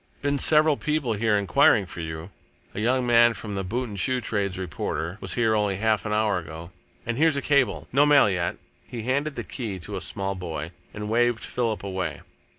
"Been several people here enquiring for you. A young man from the 'Boot and Shoe Trades Reporter' was here only half an hour ago, and here's a cable. No mail yet." He handed the key to a small boy and waved Philip away.